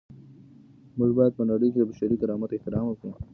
موږ باید په نړۍ کي د بشري کرامت احترام وکړو.